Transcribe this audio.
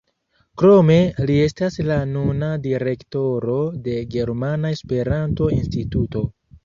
Krome li estas la nuna direktoro de Germana Esperanto-Instituto.